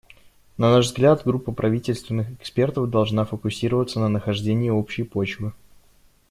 На наш взгляд, группа правительственных экспертов должна фокусироваться на нахождении общей почвы.